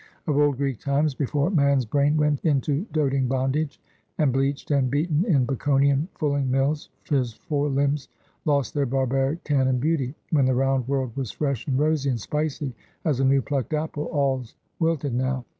Of old Greek times, before man's brain went into doting bondage, and bleached and beaten in Baconian fulling mills, his four limbs lost their barbaric tan and beauty; when the round world was fresh, and rosy, and spicy, as a new plucked apple; all's wilted now!